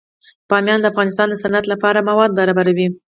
بامیان د افغانستان د صنعت لپاره مواد برابروي.